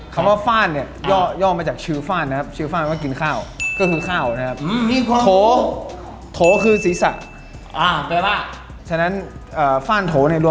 คำว่าฟ้านเนี่ยย่อมาจากชื่อฟ้านนะครับ